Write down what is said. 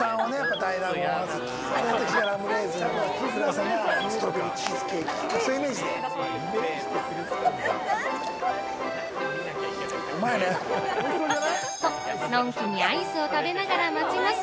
３人のイメージ。と、のんきにアイスを食べながら待ちます。